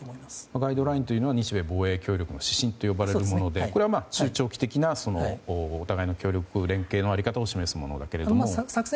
ガイドラインというのは日米防衛協力の指針といわれるものでこれは、中長期的なお互いの協力・連携の在り方を示すものですよね。